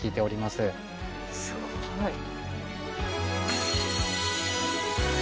すごい。